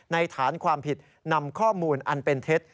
ฐานความผิดนำข้อมูลอันเป็นเท็จ